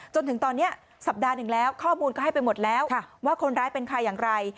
จนถึงตอนนี้สัปดาห์หนึ่งแล้วข้อมูลก็ให้ไปหมดแล้วว่าคนร้ายเป็นใครอย่างไร